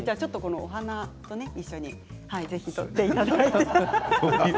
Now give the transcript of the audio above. お花と一緒にぜひ撮っていただいて。